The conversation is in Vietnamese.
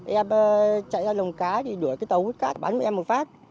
em chạy ra lồng cá thì đuổi cái tàu hút cát bắn với em một phát